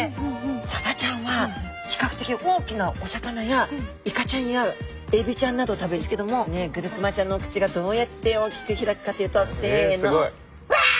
サバちゃんは比較的大きなお魚やイカちゃんやエビちゃんなどを食べるんですけどもグルクマちゃんのお口がどうやって大きく開くかというとせのわあ！